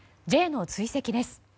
Ｊの追跡です。